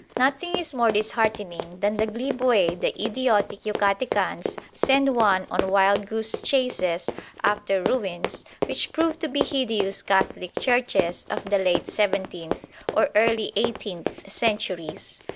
Nothing is more disheartening than the glib way the idiotic Yucatecans send one on wild goose chases after ruins which prove to be hideous Catholic churches of the late seventeenth or early eighteenth centuries.